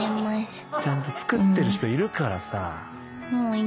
ちゃんと作ってる人いるからさ。